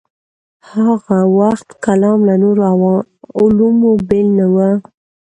هاغه وخت کلام له نورو علومو بېل نه و.